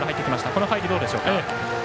この入りどうでしょうか。